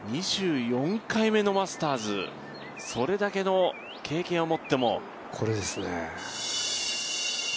２４回目のマスターズ、それだけの経験を持っても。